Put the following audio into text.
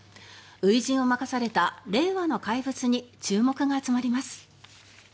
初陣を任された令和の怪物に注目が集まります。